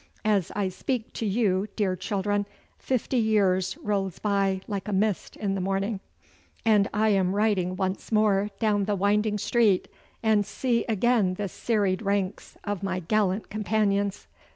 As I speak to you, dear children, fifty years rolls by like a mist in the morning, and I am riding once more down the winding street, and see again the serried ranks of my gallant companions.